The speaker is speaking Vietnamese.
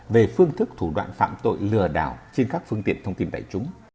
về phương thức thủ đoạn phạm tội lừa đảo trên các phương tiện thông tin đại chúng